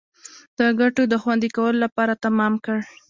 د ګټو د خوندي کولو لپاره تمام کړ.